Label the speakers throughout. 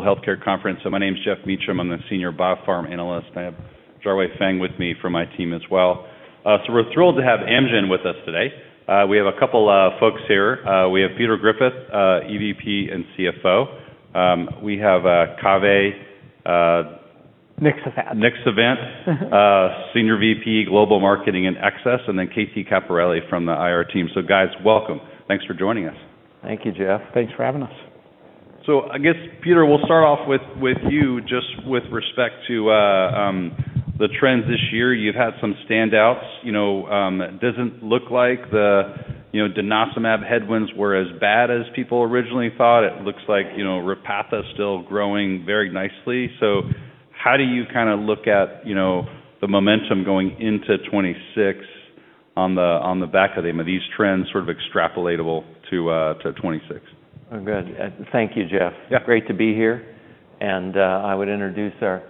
Speaker 1: Healthcare conference. My name's Geoff Meacham. I'm the Senior BioPharm Analyst. I have Jarway Fang with me from my team as well. So we're thrilled to have Amgen with us today. We have a couple of folks here. We have Peter Griffith, EVP and CFO. We have Kave.
Speaker 2: Niksefat.
Speaker 1: Niksefat, Senior VP, Global Marketing and Access, and then Casey Capparelli from the IR team. So guys, welcome. Thanks for joining us.
Speaker 3: Thank you, Geoff. Thanks for having us.
Speaker 1: So I guess, Peter, we'll start off with you, just with respect to the trends this year. You've had some standouts. It doesn't look like the denosumab headwinds were as bad as people originally thought. It looks like Repatha is still growing very nicely. So how do you kind of look at the momentum going into 2026 on the back of them? Are these trends sort of extrapolatable to 2026?
Speaker 3: I'm good. Thank you, Geoff. Great to be here, and I would introduce our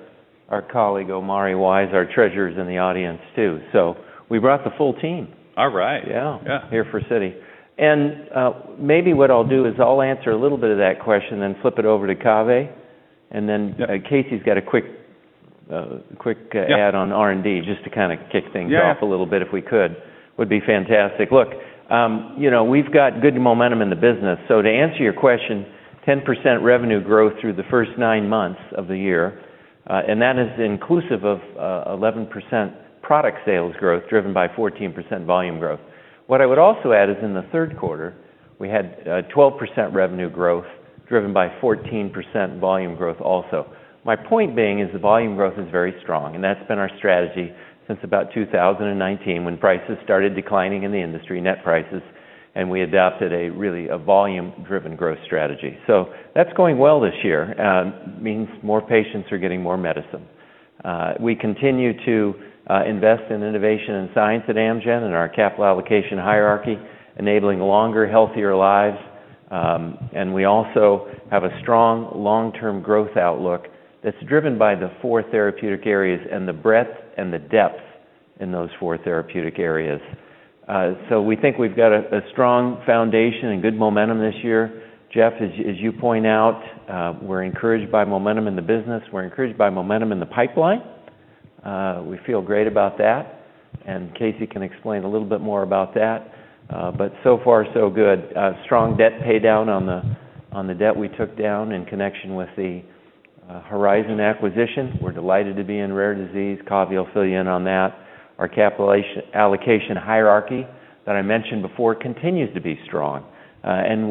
Speaker 3: colleague, Omari Wise, our Treasurer is in the audience too, so we brought the full team.
Speaker 1: All right.
Speaker 3: Yeah.
Speaker 1: Yeah.
Speaker 3: Here for Citi. And maybe what I'll do is I'll answer a little bit of that question and then flip it over to Kave. And then Casey's got a quick add on R&D, just to kind of kick things off a little bit if we could. Would be fantastic. Look, we've got good momentum in the business. So to answer your question, 10% revenue growth through the first nine months of the year, and that is inclusive of 11% product sales growth driven by 14% volume growth. What I would also add is in the third quarter, we had 12% revenue growth driven by 14% volume growth also. My point being is the volume growth is very strong, and that's been our strategy since about 2019 when prices started declining in the industry, net prices, and we adopted a really volume-driven growth strategy. So that's going well this year. It means more patients are getting more medicine. We continue to invest in innovation and science at Amgen and our capital allocation hierarchy, enabling longer, healthier lives, and we also have a strong long-term growth outlook that's driven by the four therapeutic areas and the breadth and the depth in those four therapeutic areas, so we think we've got a strong foundation and good momentum this year. Geoff, as you point out, we're encouraged by momentum in the business. We're encouraged by momentum in the pipeline. We feel great about that, and Casey can explain a little bit more about that, but so far, so good. Strong debt paydown on the debt we took down in connection with the Horizon acquisition. We're delighted to be in rare disease. Kave, I'll fill you in on that. Our capital allocation hierarchy that I mentioned before continues to be strong.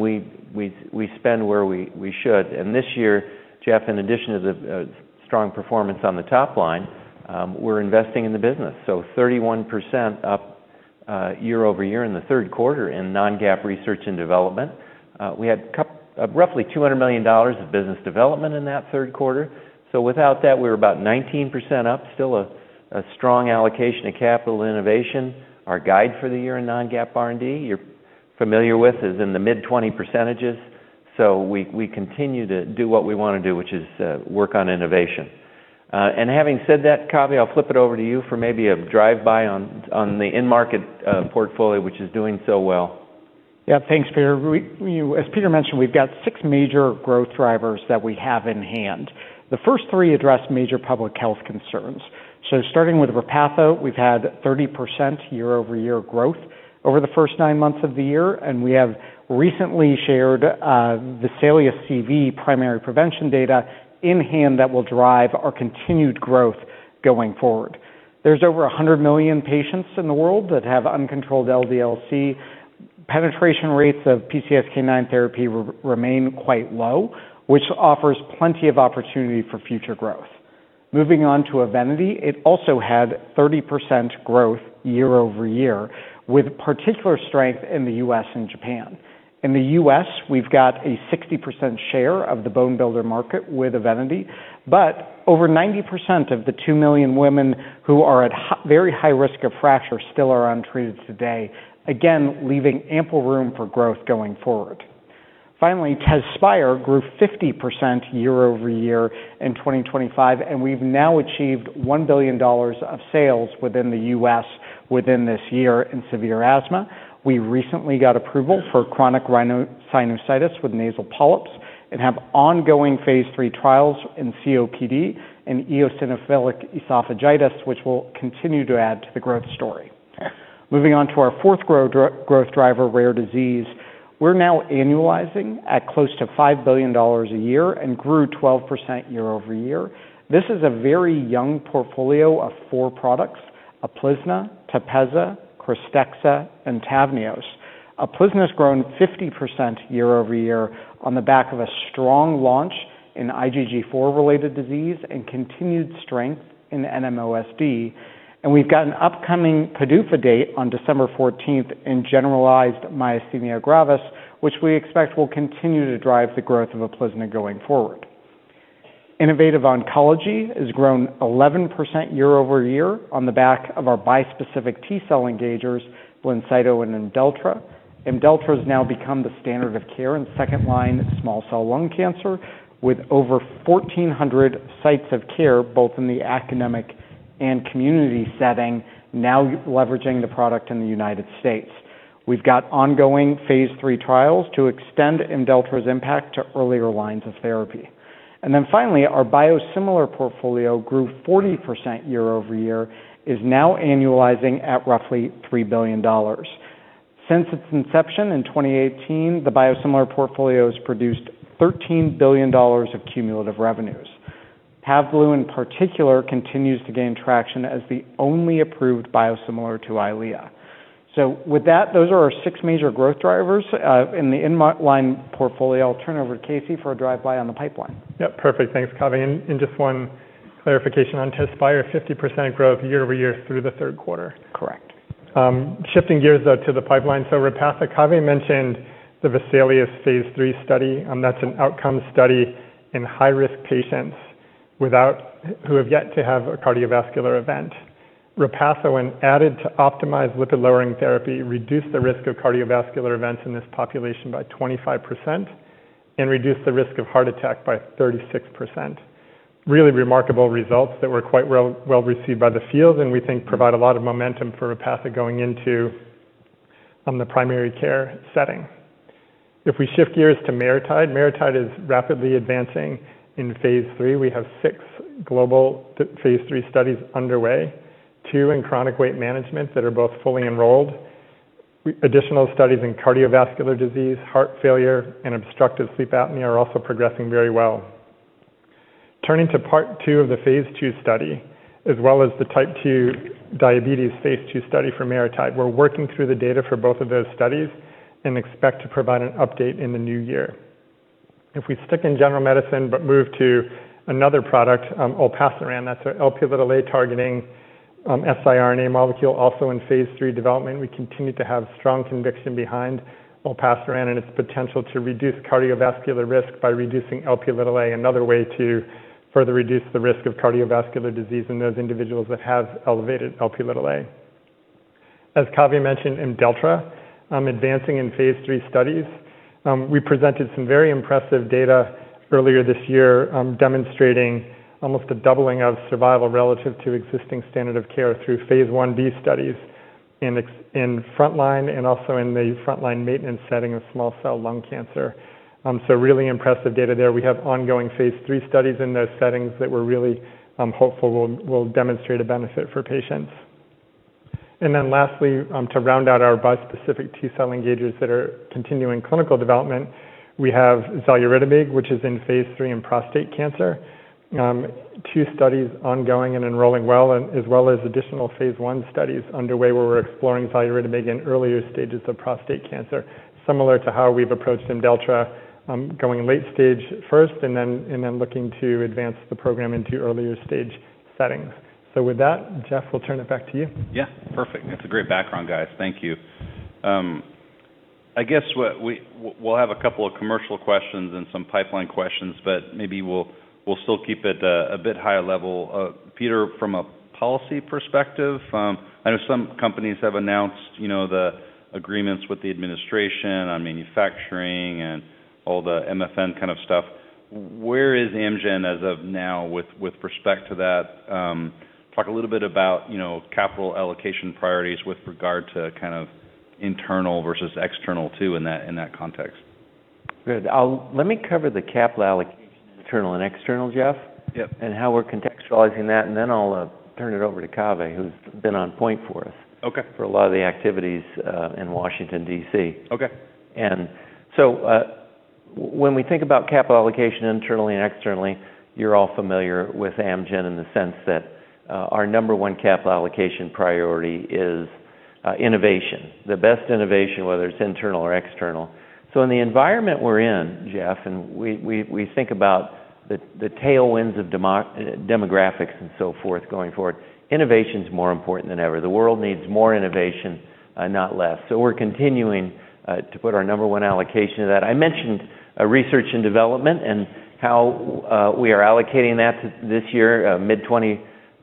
Speaker 3: We spend where we should. This year, Geoff, in addition to strong performance on the top line, we're investing in the business. So 31% up year over year in the third quarter in non-GAAP research and development. We had roughly $200 million of business development in that third quarter. So without that, we were about 19% up. Still a strong allocation of capital innovation. Our guide for the year in non-GAAP R&D, you're familiar with, is in the mid-20%. So we continue to do what we want to do, which is work on innovation. Having said that, Kave, I'll flip it over to you for maybe a drive-by on the in-market portfolio, which is doing so well.
Speaker 2: Yeah, thanks, Peter. As Peter mentioned, we've got six major growth drivers that we have in hand. The first three address major public health concerns, so starting with Repatha, we've had 30% year-over-year growth over the first nine months of the year, and we have recently shared the VESALIUS-CV primary prevention data in hand that will drive our continued growth going forward. There's over 100 million patients in the world that have uncontrolled LDL-C. Penetration rates of PCSK9 therapy remain quite low, which offers plenty of opportunity for future growth. Moving on to Evenity, it also had 30% growth year over year, with particular strength in the U.S. and Japan. In the U.S., we've got a 60% share of the bone builder market with Evenity, but over 90% of the 2 million women who are at very high risk of fracture still are untreated today, again, leaving ample room for growth going forward. Finally, Tezspire grew 50% year over year in 2025, and we've now achieved $1 billion of sales within the US within this year in severe asthma. We recently got approval for chronic rhinosinusitis with nasal polyps and have ongoing phase three trials in COPD and eosinophilic esophagitis, which will continue to add to the growth story. Moving on to our fourth growth driver, rare disease. We're now annualizing at close to $5 billion a year and grew 12% year over year. This is a very young portfolio of four products: Uplizna, Tepezza, Krystexha, and Tavneos. Uplizna has grown 50% year over year on the back of a strong launch in IgG4-related disease and continued strength in NMOSD. And we've got an upcoming PDUFA date on December 14th in generalized myasthenia gravis, which we expect will continue to drive the growth of Uplizna going forward. Innovative Oncology has grown 11% year over year on the back of our bispecific T-cell engagers, Blincyto, and Imdeltra. Imdeltra has now become the standard of care in second-line small-cell lung cancer, with over 1,400 sites of care, both in the academic and community setting, now leveraging the product in the United States. We've got ongoing phase three trials to extend Imdeltra's impact to earlier lines of therapy. And then finally, our biosimilar portfolio grew 40% year over year, is now annualizing at roughly $3 billion. Since its inception in 2018, the biosimilar portfolio has produced $13 billion of cumulative revenues. Pavblu, in particular, continues to gain traction as the only approved biosimilar to Eylea. So with that, those are our six major growth drivers in the in-line portfolio. I'll turn it over to Casey for a drive-by on the pipeline.
Speaker 4: Yeah, perfect. Thanks, Kave. And just one clarification on Tezspire: 50% growth year over year through the third quarter.
Speaker 2: Correct.
Speaker 4: Shifting gears, though, to the pipeline. So Repatha, Kave mentioned the VESALIUS phase three study. That's an outcome study in high-risk patients who have yet to have a cardiovascular event. Repatha, when added to optimized lipid-lowering therapy, reduced the risk of cardiovascular events in this population by 25% and reduced the risk of heart attack by 36%. Really remarkable results that were quite well received by the field, and we think provide a lot of momentum for Repatha going into the primary care setting. If we shift gears to Maritide, Maritide is rapidly advancing in phase three. We have six global phase three studies underway: two in chronic weight management that are both fully enrolled. Additional studies in cardiovascular disease, heart failure, and obstructive sleep apnea are also progressing very well. Turning to part two of the phase two study, as well as the type 2 diabetes phase two study for Maritide, we're working through the data for both of those studies and expect to provide an update in the new year. If we stick in general medicine but move to another product, Olpaceran, that's our Lp(a) targeting siRNA molecule, also in phase three development, we continue to have strong conviction behind Olpaceran and its potential to reduce cardiovascular risk by reducing Lp(a), another way to further reduce the risk of cardiovascular disease in those individuals that have elevated Lp(a). As Kave mentioned, Imdeltra advancing in phase three studies. We presented some very impressive data earlier this year demonstrating almost a doubling of survival relative to existing standard of care through phase one B studies in frontline and also in the frontline maintenance setting of small-cell lung cancer. Really impressive data there. We have ongoing phase three studies in those settings that we're really hopeful will demonstrate a benefit for patients. And then lastly, to round out our bispecific T-cell engagers that are continuing clinical development, we have Xyritamig, which is in phase three in prostate cancer. Two studies ongoing and enrolling well, as well as additional phase one studies underway where we're exploring Xyritamig in earlier stages of prostate cancer, similar to how we've approached Imdeltra going late stage first and then looking to advance the program into earlier stage settings. With that, Geoff, we'll turn it back to you.
Speaker 1: Yeah, perfect. That's a great background, guys. Thank you. I guess we'll have a couple of commercial questions and some pipeline questions, but maybe we'll still keep it a bit higher level. Peter, from a policy perspective, I know some companies have announced the agreements with the administration on manufacturing and all the MFN kind of stuff. Where is Amgen as of now with respect to that? Talk a little bit about capital allocation priorities with regard to kind of internal versus external too in that context.
Speaker 3: Good. Let me cover the capital allocation internal and external, Geoff, and how we're contextualizing that. And then I'll turn it over to Kave, who's been on point for us for a lot of the activities in Washington, D.C.
Speaker 1: Okay.
Speaker 3: And so when we think about capital allocation internally and externally, you're all familiar with Amgen in the sense that our number one capital allocation priority is innovation, the best innovation, whether it's internal or external. So in the environment we're in, Geoff, and we think about the tailwinds of demographics and so forth going forward, innovation is more important than ever. The world needs more innovation, not less. So we're continuing to put our number one allocation to that. I mentioned research and development and how we are allocating that this year,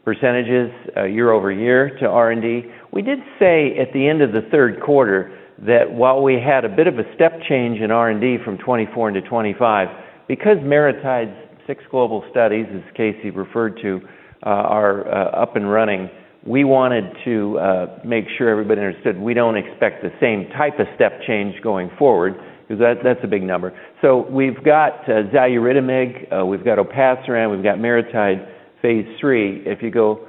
Speaker 3: mid-20s% year over year to R&D. We did say at the end of the third quarter that while we had a bit of a step change in R&D from 2024 into 2025, because Maritide's six global studies, as Casey referred to, are up and running, we wanted to make sure everybody understood we don't expect the same type of step change going forward because that's a big number. So we've got Xyritamig, we've got Olpaceran, we've got Maritide phase three. If you go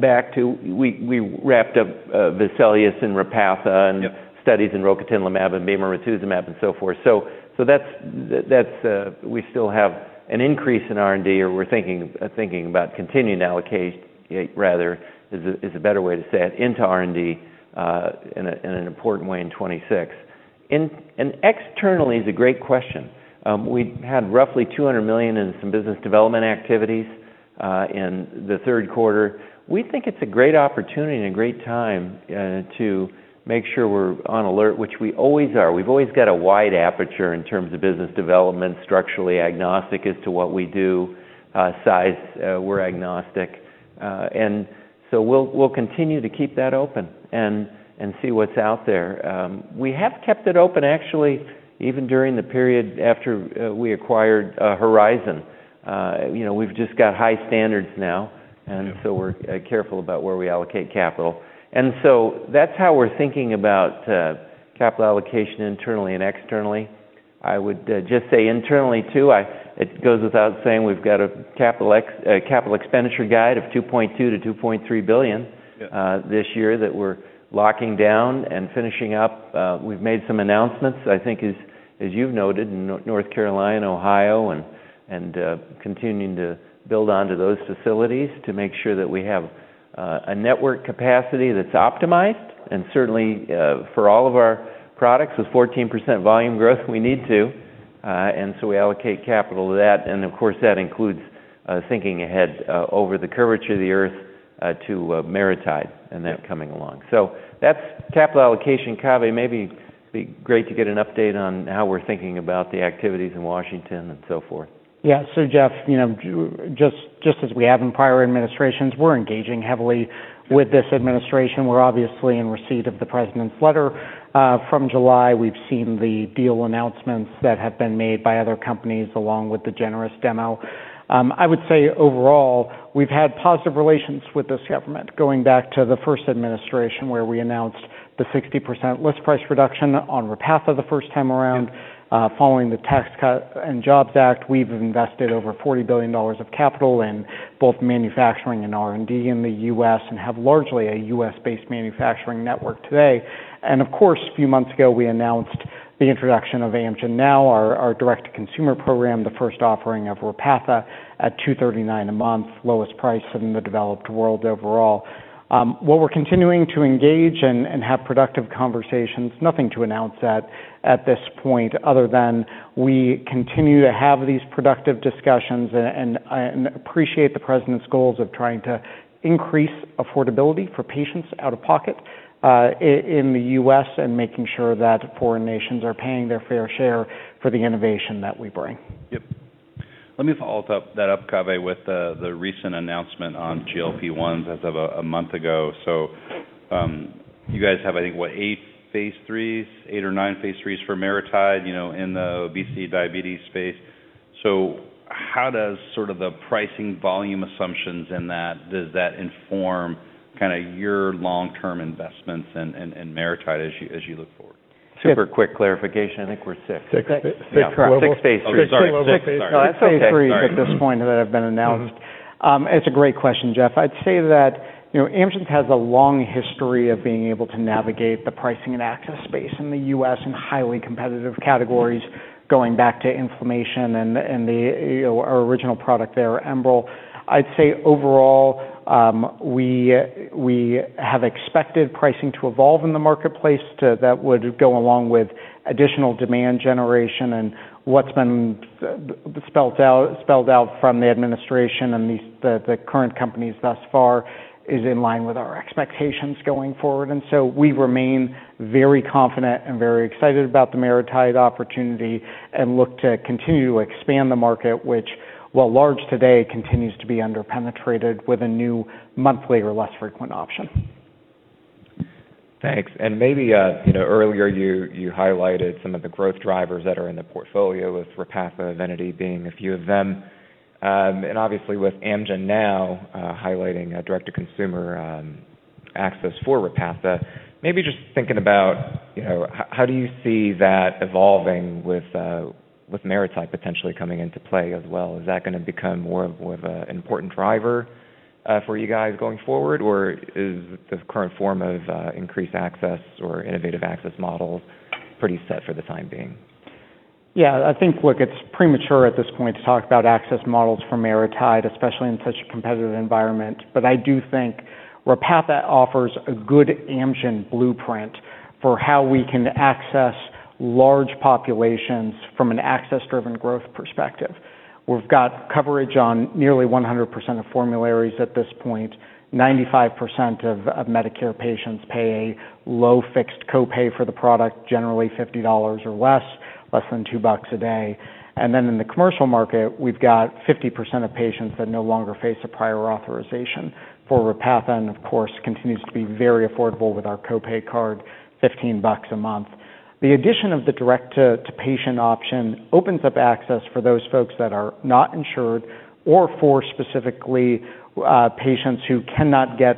Speaker 3: back to, we wrapped up VESALIUS and Repatha and studies in Rocatinlimab and Bemarituzumab and so forth. So we still have an increase in R&D, or we're thinking about continuing allocation, rather, is a better way to say it, into R&D in an important way in 2026. And externally is a great question. We had roughly $200 million in some business development activities in the third quarter. We think it's a great opportunity and a great time to make sure we're on alert, which we always are. We've always got a wide aperture in terms of business development, structurally agnostic as to what we do, size, we're agnostic. And so we'll continue to keep that open and see what's out there. We have kept it open, actually, even during the period after we acquired Horizon. We've just got high standards now, and so we're careful about where we allocate capital. And so that's how we're thinking about capital allocation internally and externally. I would just say internally too, it goes without saying, we've got a capital expenditure guide of $2.2 billion-$2.3 billion this year that we're locking down and finishing up. We've made some announcements, I think, as you've noted, in North Carolina, Ohio, and continuing to build onto those facilities to make sure that we have a network capacity that's optimized, and certainly, for all of our products, with 14% volume growth, we need to, and so we allocate capital to that, and of course, that includes thinking ahead over the curvature of the earth to Maritide and that coming along, so that's capital allocation. Kave, maybe it'd be great to get an update on how we're thinking about the activities in Washington and so forth.
Speaker 2: Yeah, so Geoff, just as we have in prior administrations, we're engaging heavily with this administration. We're obviously in receipt of the president's letter. From July, we've seen the deal announcements that have been made by other companies along with the generous demo. I would say overall, we've had positive relations with this government going back to the first administration where we announced the 60% list price reduction on Repatha the first time around. Following the Tax Cut and Jobs Act, we've invested over $40 billion of capital in both manufacturing and R&D in the U.S. and have largely a U.S.-based manufacturing network today, and of course, a few months ago, we announced the introduction of Amgen Now, our direct-to-consumer program, the first offering of Repatha at $2.39 a month, lowest price in the developed world overall. What we're continuing to engage and have productive conversations. Nothing to announce at this point other than we continue to have these productive discussions and appreciate the president's goals of trying to increase affordability for patients out of pocket in the U.S. and making sure that foreign nations are paying their fair share for the innovation that we bring.
Speaker 1: Yep. Let me follow that up, Kave, with the recent announcement on GLP-1s as of a month ago. So you guys have, I think, what, eight phase threes, eight or nine phase threes for Maritide in the obesity diabetes space. So how does sort of the pricing volume assumptions in that, does that inform kind of your long-term investments in Maritide as you look forward?
Speaker 3: Super quick clarification. I think we're six.
Speaker 1: Six phase 3s. Sorry.
Speaker 2: No, it's phase 3s at this point that have been announced. It's a great question, Geoff. I'd say that Amgen has a long history of being able to navigate the pricing and access space in the U.S. in highly competitive categories going back to inflammation and our original product there, Enbrel. I'd say overall, we have expected pricing to evolve in the marketplace that would go along with additional demand generation. And what's been spelled out from the administration and the current companies thus far is in line with our expectations going forward. And so we remain very confident and very excited about the Maritide opportunity and look to continue to expand the market, which, while large today, continues to be underpenetrated with a new monthly or less frequent option.
Speaker 1: Thanks. And maybe earlier you highlighted some of the growth drivers that are in the portfolio with Repatha, Evenity being a few of them. And obviously with Amgen Now highlighting direct-to-consumer access for Repatha, maybe just thinking about how do you see that evolving with Maritide potentially coming into play as well? Is that going to become more of an important driver for you guys going forward, or is the current form of increased access or innovative access models pretty set for the time being?
Speaker 2: Yeah, I think it's premature at this point to talk about access models for Maritide, especially in such a competitive environment. But I do think Repatha offers a good Amgen blueprint for how we can access large populations from an access-driven growth perspective. We've got coverage on nearly 100% of formularies at this point. 95% of Medicare patients pay a low fixed copay for the product, generally $50 or less, less than two bucks a day. And then in the commercial market, we've got 50% of patients that no longer face a prior authorization for Repatha, and of course, continues to be very affordable with our copay card, 15 bucks a month. The addition of the direct-to-patient option opens up access for those folks that are not insured or for specifically patients who cannot get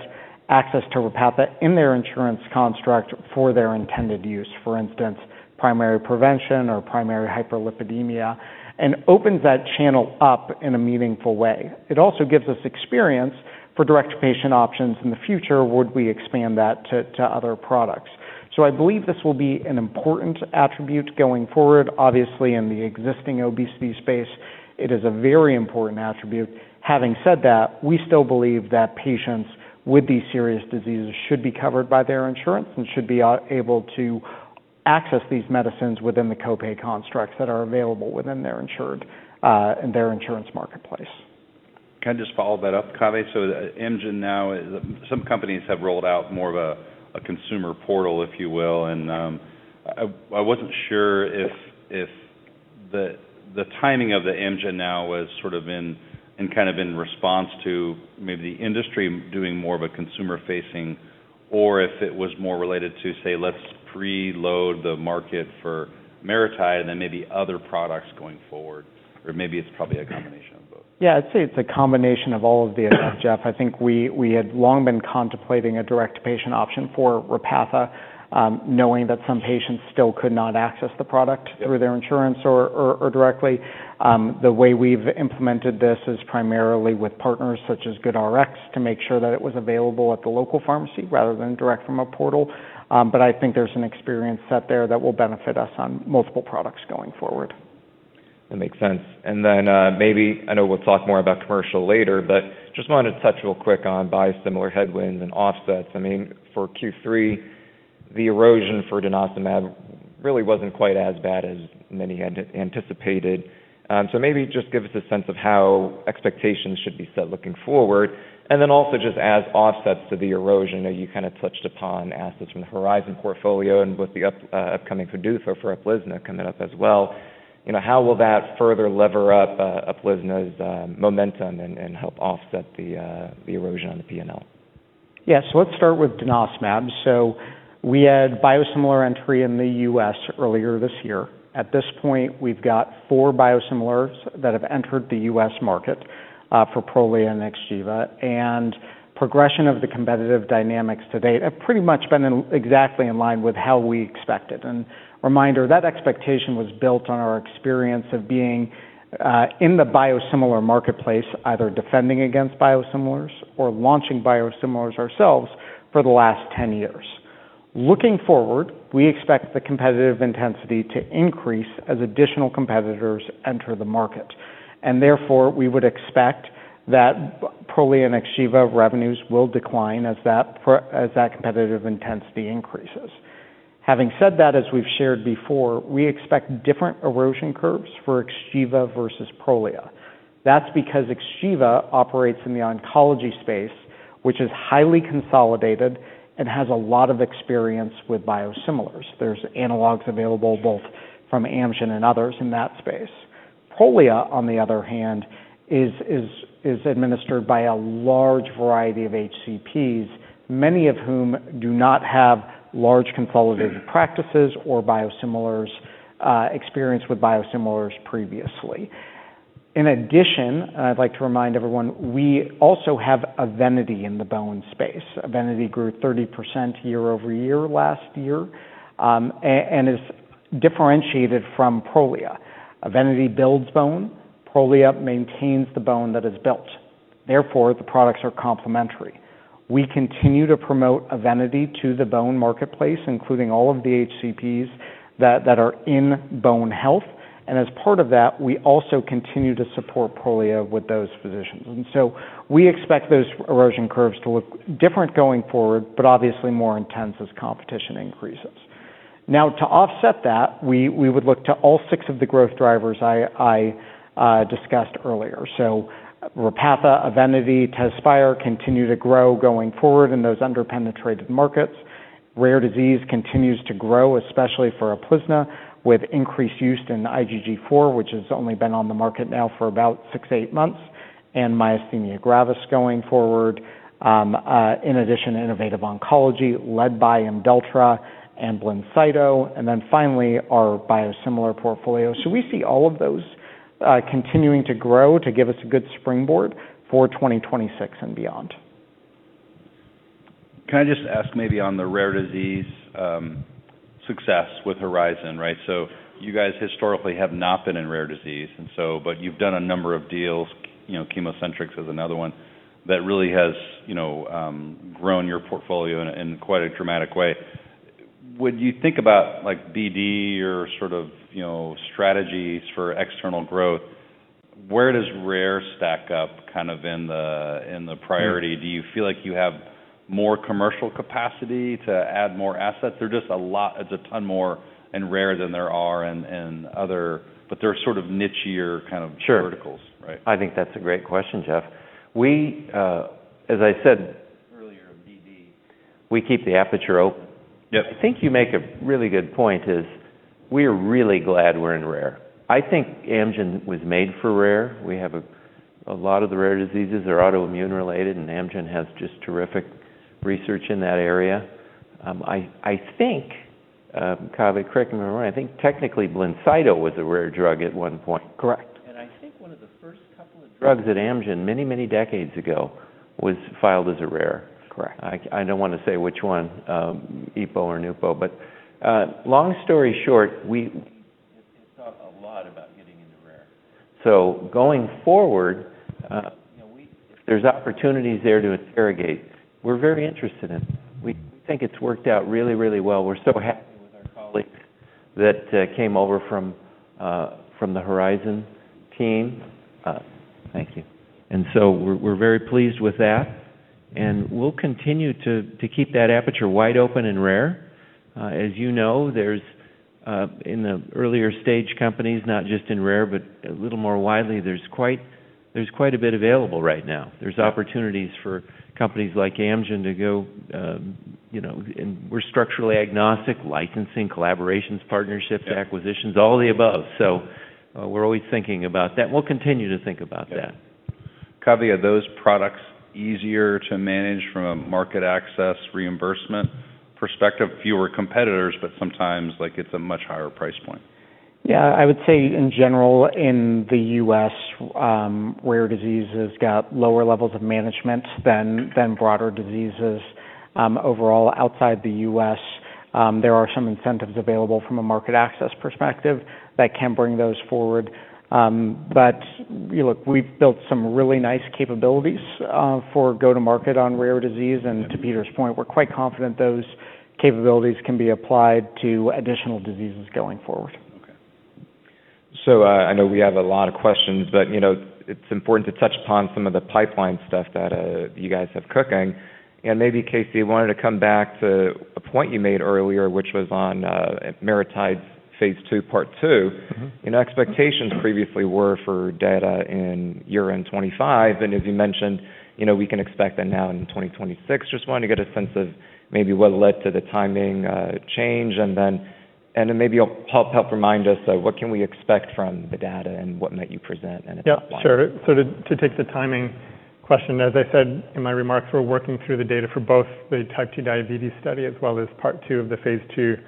Speaker 2: access to Repatha in their insurance construct for their intended use, for instance, primary prevention or primary hyperlipidemia, and opens that channel up in a meaningful way. It also gives us experience for direct-to-patient options in the future, would we expand that to other products. So I believe this will be an important attribute going forward. Obviously, in the existing obesity space, it is a very important attribute. Having said that, we still believe that patients with these serious diseases should be covered by their insurance and should be able to access these medicines within the copay constructs that are available within their insured and their insurance marketplace.
Speaker 1: Can I just follow that up, Kave, so Amgen Now, some companies have rolled out more of a consumer portal, if you will, and I wasn't sure if the timing of the Amgen Now was sort of kind of in response to maybe the industry doing more of a consumer-facing, or if it was more related to, say, let's preload the market for Maritide and then maybe other products going forward, or maybe it's probably a combination of both.
Speaker 2: Yeah, I'd say it's a combination of all of these, Geoff. I think we had long been contemplating a direct-to-patient option for Repatha, knowing that some patients still could not access the product through their insurance or directly. The way we've implemented this is primarily with partners such as GoodRx to make sure that it was available at the local pharmacy rather than direct from a portal. But I think there's an experience set there that will benefit us on multiple products going forward.
Speaker 1: That makes sense. And then maybe I know we'll talk more about commercial later, but just wanted to touch real quick on biosimilar headwinds and offsets. I mean, for Q3, the erosion for denosumab really wasn't quite as bad as many had anticipated. So maybe just give us a sense of how expectations should be set looking forward. And then also just as offsets to the erosion, you kind of touched upon assets from the Horizon portfolio and with the upcoming PDUFA for Uplizna coming up as well. How will that further lever up Uplizna's momentum and help offset the erosion on the P&L?
Speaker 2: Yeah, so let's start with denosumab. So we had biosimilar entry in the U.S. earlier this year. At this point, we've got four biosimilars that have entered the U.S. market for Prolia and Xgeva. And progression of the competitive dynamics to date have pretty much been exactly in line with how we expected. And reminder, that expectation was built on our experience of being in the biosimilar marketplace, either defending against biosimilars or launching biosimilars ourselves for the last 10 years. Looking forward, we expect the competitive intensity to increase as additional competitors enter the market. And therefore, we would expect that Prolia and Xgeva revenues will decline as that competitive intensity increases. Having said that, as we've shared before, we expect different erosion curves for Xgeva versus Prolia. That's because Xgeva operates in the oncology space, which is highly consolidated and has a lot of experience with biosimilars. are analogs available both from Amgen and others in that space. Prolia, on the other hand, is administered by a large variety of HCPs, many of whom do not have large consolidated practices or biosimilars experience with biosimilars previously. In addition, and I'd like to remind everyone, we also have Evenity in the bone space. Evenity grew 30% year over year last year and is differentiated from Prolia. Evenity builds bone. Prolia maintains the bone that is built. Therefore, the products are complementary. We continue to promote Evenity to the bone marketplace, including all of the HCPs that are in bone health. And as part of that, we also continue to support Prolia with those physicians. And so we expect those erosion curves to look different going forward, but obviously more intense as competition increases. Now, to offset that, we would look to all six of the growth drivers I discussed earlier. So Repatha, Evenity, Tezspire continue to grow going forward in those underpenetrated markets. Rare disease continues to grow, especially for Uplizna, with increased use in IgG4, which has only been on the market now for about six to eight months, and myasthenia gravis going forward. In addition, innovative oncology led by Imdeltra and Blincyto, and then finally our biosimilar portfolio. So we see all of those continuing to grow to give us a good springboard for 2026 and beyond.
Speaker 1: Can I just ask maybe on the rare disease success with Horizon, right? So you guys historically have not been in rare disease, but you've done a number of deals. ChemoCentryx is another one that really has grown your portfolio in quite a dramatic way. When you think about BD or sort of strategies for external growth, where does rare stack up kind of in the priority? Do you feel like you have more commercial capacity to add more assets? There's just a lot. It's a ton more in rare than there are in other, but they're sort of nichier kind of verticals, right?
Speaker 3: I think that's a great question, Geoff. As I said earlier of BD, we keep the aperture open. I think you make a really good point is we are really glad we're in rare. I think Amgen was made for rare. We have a lot of the rare diseases are autoimmune related, and Amgen has just terrific research in that area. I think, Kave, correct me if I'm wrong, I think technically Blincyto was a rare drug at one point.
Speaker 2: Correct.
Speaker 3: I think one of the first drugs at Amgen many, many decades ago was filed as a rare.
Speaker 2: Correct.
Speaker 3: I don't want to say which one, Ipo or Nupo, but long story short. We thought a lot about getting into rare. So going forward, there's opportunities there to integrate. We're very interested in it. We think it's worked out really, really well. We're so happy to have colleagues that came over from the Horizon team. Thank you. And so we're very pleased with that. And we'll continue to keep that aperture wide open in rare. As you know, in the earlier stage companies, not just in rare, but a little more widely, there's quite a bit available right now. There's opportunities for companies like Amgen to go, and we're structurally agnostic, licensing, collaborations, partnerships, acquisitions, all the above. So we're always thinking about that. We'll continue to think about that.
Speaker 1: Kave, are those products easier to manage from a market access reimbursement perspective? Fewer competitors, but sometimes it's a much higher price point.
Speaker 2: Yeah, I would say in general, in the U.S., rare disease has got lower levels of management than broader diseases. Overall, outside the U.S., there are some incentives available from a market access perspective that can bring those forward. But look, we've built some really nice capabilities for go-to-market on rare disease, and to Peter's point, we're quite confident those capabilities can be applied to additional diseases going forward.
Speaker 1: Okay. I know we have a lot of questions, but it's important to touch upon some of the pipeline stuff that you guys have cooking. Maybe Casey wanted to come back to a point you made earlier, which was on Maritide's phase 2, part 2. Expectations previously were for data in 2025. As you mentioned, we can expect that now in 2026. Just wanted to get a sense of maybe what led to the timing change. Then maybe help remind us, what can we expect from the data and what might you present in a step 1?
Speaker 4: Yeah, sure. So to take the timing question, as I said in my remarks, we're working through the data for both the type 2 diabetes study as well as part two of the phase two study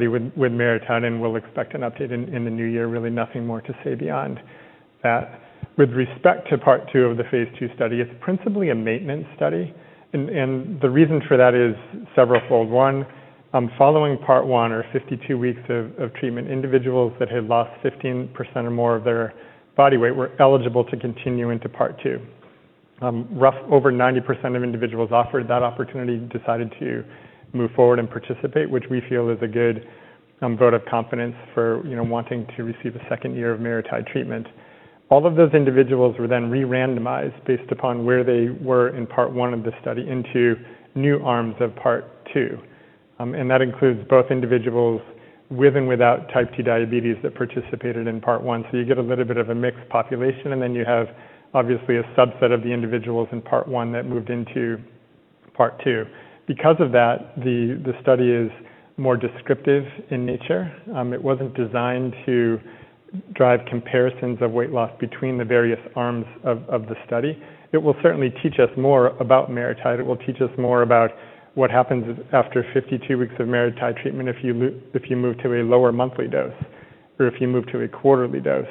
Speaker 4: with Maritide, and we'll expect an update in the new year. Really, nothing more to say beyond that. With respect to part two of the phase two study, it's principally a maintenance study. And the reason for that is several-fold. One, following part one, or 52 weeks of treatment, individuals that had lost 15% or more of their body weight were eligible to continue into part two. Roughly over 90% of individuals offered that opportunity and decided to move forward and participate, which we feel is a good vote of confidence for wanting to receive a second year of Maritide treatment. All of those individuals were then re-randomized based upon where they were in part one of the study into new arms of part two, and that includes both individuals with and without type 2 diabetes that participated in part one, so you get a little bit of a mixed population, and then you have obviously a subset of the individuals in part one that moved into part two. Because of that, the study is more descriptive in nature. It wasn't designed to drive comparisons of weight loss between the various arms of the study. It will certainly teach us more about Maritide. It will teach us more about what happens after 52 weeks of Maritide treatment if you move to a lower monthly dose, or if you move to a quarterly dose,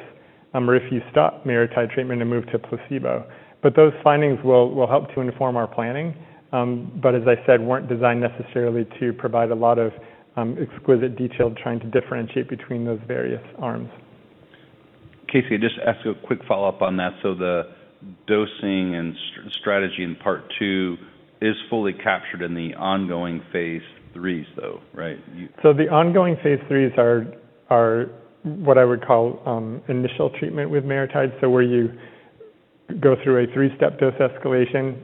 Speaker 4: or if you stop Maritide treatment and move to placebo. But those findings will help to inform our planning, but as I said, weren't designed necessarily to provide a lot of exquisite detail trying to differentiate between those various arms.
Speaker 1: Casey, just a quick follow-up on that. So the dosing and strategy in part two is fully captured in the ongoing phase threes, though, right?
Speaker 4: The ongoing phase 3s are what I would call initial treatment with Maritide. Where you go through a three-step dose escalation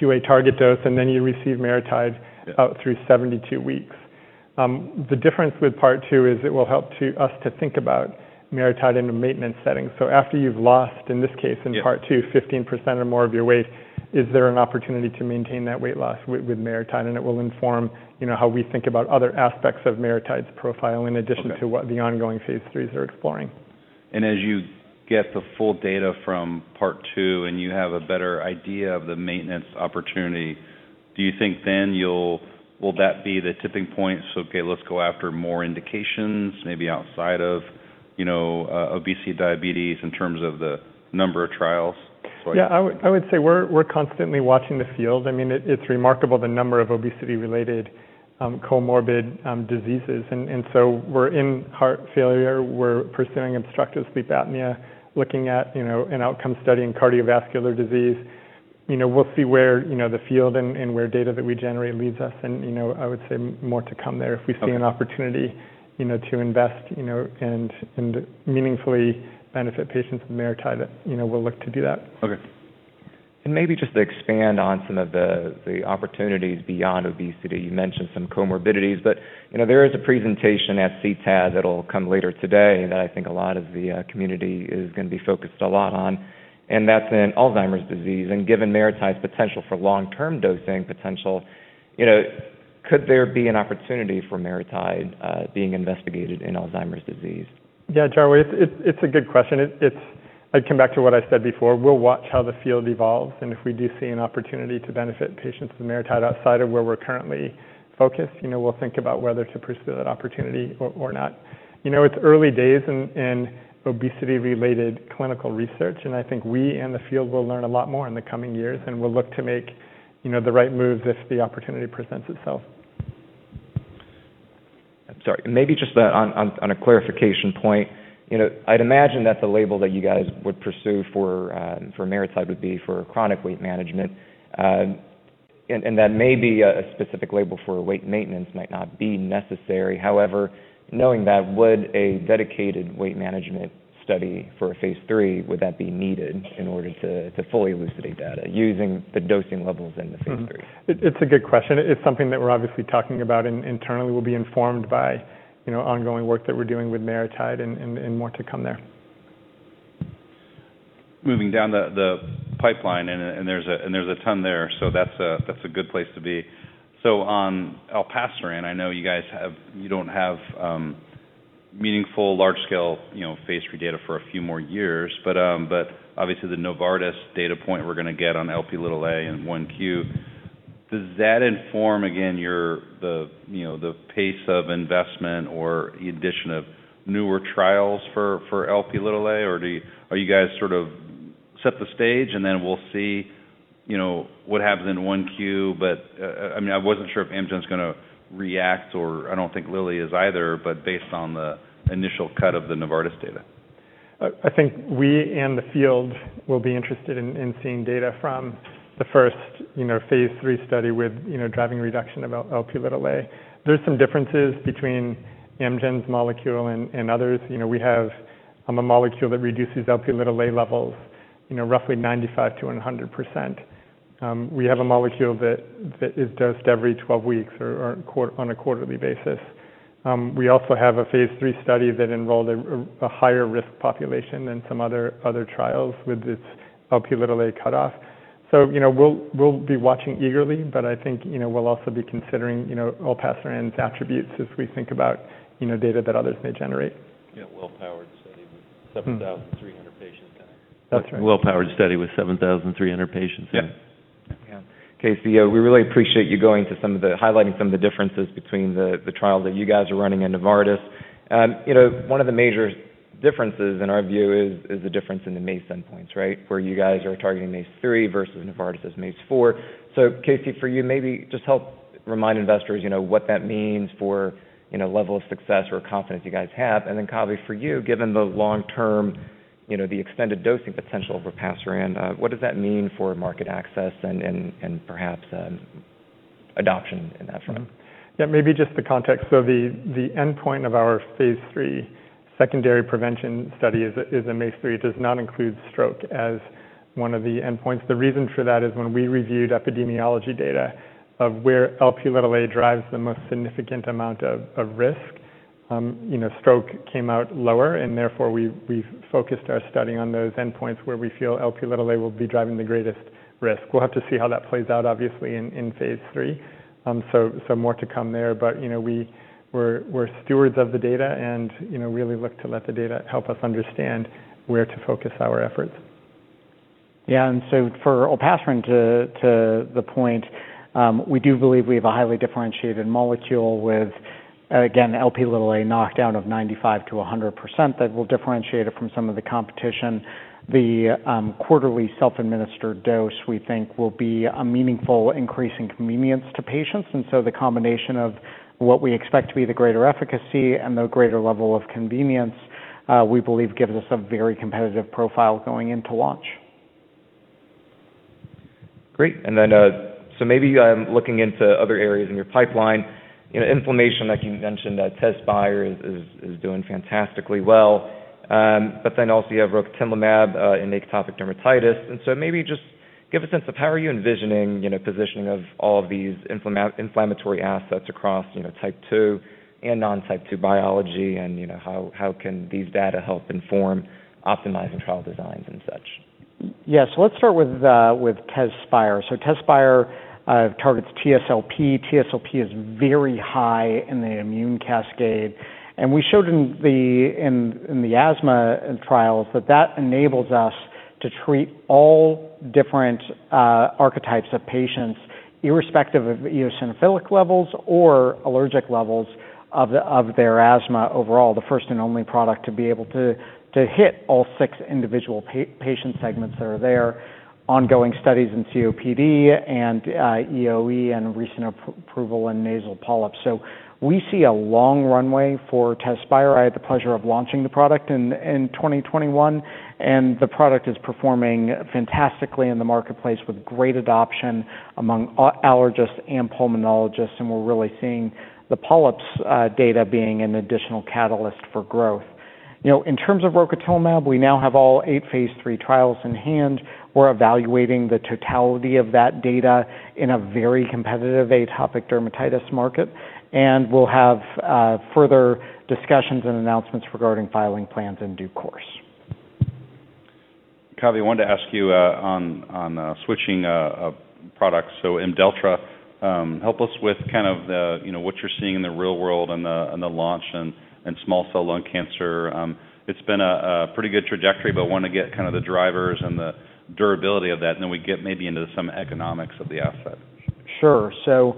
Speaker 4: to a target dose, and then you receive Maritide out through 72 weeks. The difference with part two is it will help us to think about Maritide in a maintenance setting. After you've lost, in this case in part two, 15% or more of your weight, is there an opportunity to maintain that weight loss with Maritide? And it will inform how we think about other aspects of Maritide's profile in addition to what the ongoing phase 3s are exploring.
Speaker 1: As you get the full data from part two and you have a better idea of the maintenance opportunity, do you think then will that be the tipping point? So okay, let's go after more indications, maybe outside of obesity, diabetes in terms of the number of trials?
Speaker 4: Yeah, I would say we're constantly watching the field. I mean, it's remarkable the number of obesity-related comorbid diseases. And so we're in heart failure. We're pursuing obstructive sleep apnea, looking at an outcome study in cardiovascular disease. We'll see where the field and where data that we generate leads us. And I would say more to come there if we see an opportunity to invest and meaningfully benefit patients with Maritide. We'll look to do that.
Speaker 1: Okay. And maybe just to expand on some of the opportunities beyond obesity, you mentioned some comorbidities, but there is a presentation at CTAD that'll come later today that I think a lot of the community is going to be focused a lot on. And that's in Alzheimer's disease. And given Maritide's potential for long-term dosing potential, could there be an opportunity for Maritide being investigated in Alzheimer's disease?
Speaker 4: Yeah, Charlie, it's a good question. I'd come back to what I said before. We'll watch how the field evolves. And if we do see an opportunity to benefit patients with Maritide outside of where we're currently focused, we'll think about whether to pursue that opportunity or not. It's early days in obesity-related clinical research. And I think we and the field will learn a lot more in the coming years, and we'll look to make the right moves if the opportunity presents itself.
Speaker 1: Sorry, maybe just on a clarification point. I'd imagine that the label that you guys would pursue for Maritide would be for chronic weight management, and that may be a specific label for weight maintenance might not be necessary. However, knowing that, would a dedicated weight management study for a phase 3, would that be needed in order to fully elucidate data using the dosing levels in the phase 3?
Speaker 4: It's a good question. It's something that we're obviously talking about internally. We'll be informed by ongoing work that we're doing with Maritide and more to come there.
Speaker 1: Moving down the pipeline, and there's a ton there. So that's a good place to be. So on Olpaceran, I know you guys have, you don't have meaningful large-scale phase three data for a few more years, but obviously the Novartis data point we're going to get on Lp(a) in 1Q, does that inform, again, the pace of investment or the addition of newer trials for Lp(a), or are you guys sort of set the stage and then we'll see what happens in 1Q? But I mean, I wasn't sure if Amgen's going to react, or I don't think Lilly is either, but based on the initial cut of the Novartis data.
Speaker 4: I think we and the field will be interested in seeing data from the first phase three study with driving reduction of Lp(a). There's some differences between Amgen's molecule and others. We have a molecule that reduces Lp(a) levels roughly 95%-100%. We have a molecule that is dosed every 12 weeks or on a quarterly basis. We also have a phase three study that enrolled a higher risk population than some other trials with its Lp(a) cutoff. So we'll be watching eagerly, but I think we'll also be considering Olpaceran's attributes as we think about data that others may generate.
Speaker 1: Well-powered study with 7,300 patients.
Speaker 4: That's right.
Speaker 1: Well-powered study with 7,300 patients.
Speaker 4: Yeah.
Speaker 1: Casey, we really appreciate you highlighting some of the differences between the trials that you guys are running and Novartis. One of the major differences in our view is the difference in the MACE endpoints, right? Where you guys are targeting MACE 3 versus Novartis as MACE 4. So Casey, for you, maybe just help remind investors what that means for level of success or confidence you guys have. And then Kave, for you, given the long-term, the extended dosing potential for Olpaceran, what does that mean for market access and perhaps adoption in that front?
Speaker 4: Yeah, maybe just the context, so the endpoint of our phase three secondary prevention study is a MACE 3. It does not include stroke as one of the endpoints. The reason for that is when we reviewed epidemiology data of where Lp(a) drives the most significant amount of risk, stroke came out lower, and therefore we focused our study on those endpoints where we feel Lp(a) will be driving the greatest risk. We'll have to see how that plays out, obviously, in phase three, so more to come there, but we're stewards of the data and really look to let the data help us understand where to focus our efforts.
Speaker 2: Yeah, and so for Olpaceran, to the point, we do believe we have a highly differentiated molecule with, again, Lp(a) knockdown of 95%-100% that will differentiate it from some of the competition. The quarterly self-administered dose we think will be a meaningful increase in convenience to patients, and so the combination of what we expect to be the greater efficacy and the greater level of convenience, we believe gives us a very competitive profile going into launch.
Speaker 1: Great. And then so maybe looking into other areas in your pipeline, inflammation, like you mentioned, that Tezspire is doing fantastically well. But then also you have Rocatinlimab in atopic dermatitis. And so maybe just give a sense of how are you envisioning positioning of all of these inflammatory assets across type 2 and non-type 2 biology and how can these data help inform optimizing trial designs and such?
Speaker 2: Yeah, so let's start with Tezspire. Tezspire targets TSLP. TSLP is very high in the immune cascade. We showed in the asthma trials that that enables us to treat all different archetypes of patients, irrespective of eosinophilic levels or allergic levels of their asthma. Overall, the first and only product to be able to hit all six individual patient segments that are there. Ongoing studies in COPD and EoE and recent approval in nasal polyps. We see a long runway for Tezspire. I had the pleasure of launching the product in 2021, and the product is performing fantastically in the marketplace with great adoption among allergists and pulmonologists. We're really seeing the polyps data being an additional catalyst for growth. In terms of Rocatinlimab, we now have all eight phase three trials in hand. We're evaluating the totality of that data in a very competitive atopic dermatitis market, and we'll have further discussions and announcements regarding filing plans in due course.
Speaker 1: Kave, I wanted to ask you on switching products. So Imdeltra, help us with kind of what you're seeing in the real world and the launch and small-cell lung cancer. It's been a pretty good trajectory, but I want to get kind of the drivers and the durability of that, and then we get maybe into some economics of the asset.
Speaker 2: Sure. So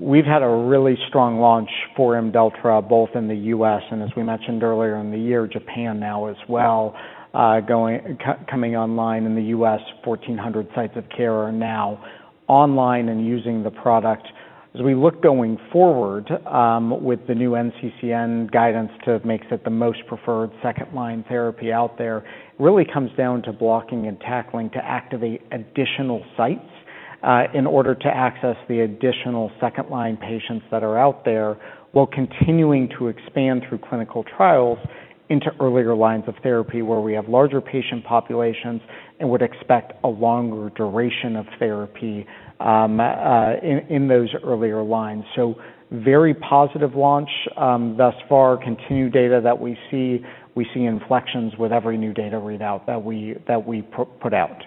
Speaker 2: we've had a really strong launch for Imdeltra, both in the U.S. and, as we mentioned earlier in the year, Japan now as well, coming online in the U.S. 1,400 sites of care are now online and using the product. As we look going forward with the new NCCN guidance to make it the most preferred second-line therapy out there, it really comes down to blocking and tackling to activate additional sites in order to access the additional second-line patients that are out there. We're continuing to expand through clinical trials into earlier lines of therapy where we have larger patient populations and would expect a longer duration of therapy in those earlier lines. So very positive launch thus far. Continued data that we see, we see inflections with every new data readout that we put out.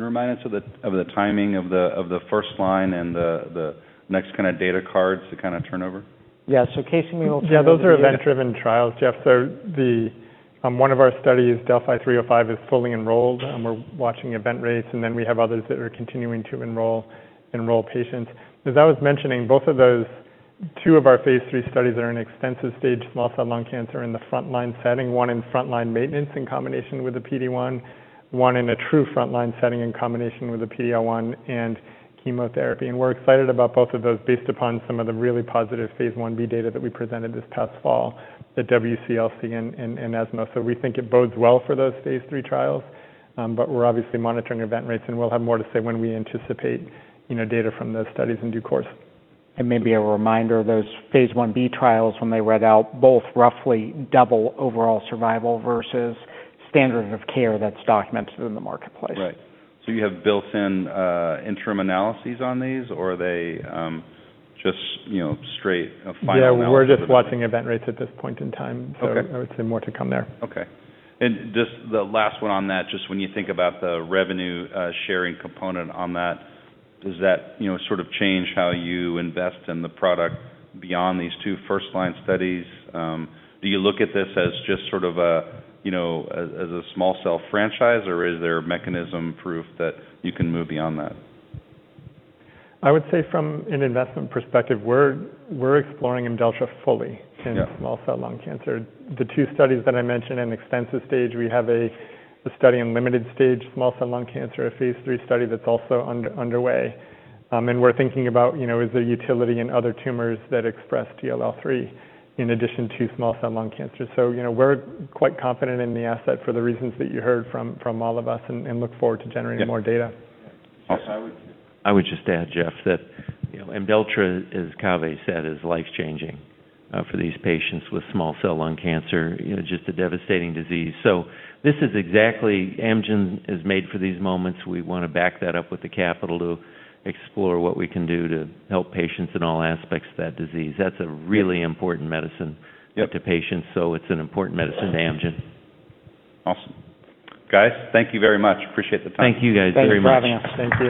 Speaker 1: Remind us of the timing of the first line and the next kind of data cards to kind of turnover?
Speaker 4: Yeah, so Casey, we will. Yeah, those are event-driven trials. Geoff, one of our studies, Delphi 305, is fully enrolled. We're watching event rates, and then we have others that are continuing to enroll patients. As I was mentioning, both of those, two of our phase three studies are in extensive stage small cell lung cancer in the front-line setting, one in front-line maintenance in combination with a PD-1, one in a true front-line setting in combination with a PD-1 and chemotherapy, and we're excited about both of those based upon some of the really positive phase 1b data that we presented this past fall at WCLC and ESMO, so we think it bodes well for those phase three trials, but we're obviously monitoring event rates, and we'll have more to say when we anticipate data from those studies in due course.
Speaker 2: Maybe a reminder, those phase 1b trials, when they read out, both roughly double overall survival versus standard of care that's documented in the marketplace.
Speaker 1: Right. So you have built-in interim analyses on these, or are they just straight final?
Speaker 4: Yeah, we're just watching event rates at this point in time. So I would say more to come there.
Speaker 1: Okay. And just the last one on that, just when you think about the revenue sharing component on that, does that sort of change how you invest in the product beyond these two first-line studies? Do you look at this as just sort of a small cell franchise, or is there mechanism proof that you can move beyond that?
Speaker 4: I would say from an investment perspective, we're exploring Imdeltra fully in small-cell lung cancer. The two studies that I mentioned in extensive-stage, we have a study in limited-stage small-cell lung cancer, a phase three study that's also underway. And we're thinking about, is there utility in other tumors that express DLL3 in addition to small-cell lung cancer? So we're quite confident in the asset for the reasons that you heard from all of us and look forward to generating more data.
Speaker 3: I would just add, Geoff, that Imdeltra, as Kave said, is life-changing for these patients with small cell lung cancer, just a devastating disease. So this is exactly Amgen is made for these moments. We want to back that up with the capital to explore what we can do to help patients in all aspects of that disease. That's a really important medicine to patients. So it's an important medicine to Amgen. Awesome. Guys, thank you very much. Appreciate the time.
Speaker 1: Thank you guys very much.
Speaker 4: Thanks.